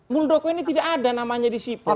muldoko ini tidak ada namanya di sipol